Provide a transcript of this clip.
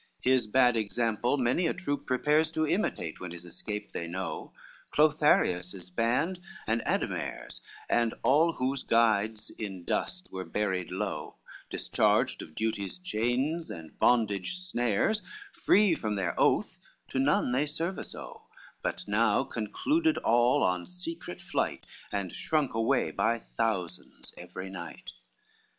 LXIX His bad example many a troop prepares To imitate, when his escape they know, Clotharius his band, and Ademare's, And all whose guides in dust were buried low, Discharged of duty's chains and bondage snares, Free from their oath, to none they service owe, But now concluded all on secret flight, And shrunk away by thousands every night.